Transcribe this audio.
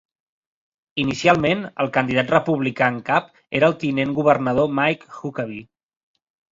Inicialment, el candidat republicà en cap era el tinent governador Mike Huckabee.